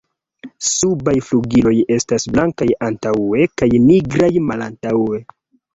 Subaj flugiloj estas blankaj antaŭe kaj nigraj malantaŭe.